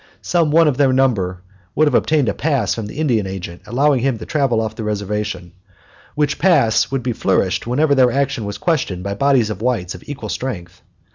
Some one of their number would have obtained a pass from the Indian Agent allowing him to travel off the reservation, which pass would be flourished whenever their action was questioned by bodies of whites of equal strength.